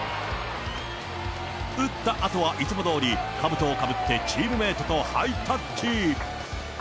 打ったあとはいつもどおり、かぶとをかぶってチームメートとハイタッチ。